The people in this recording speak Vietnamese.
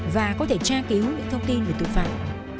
và có thể trang ký hút những thông tin về tù phạm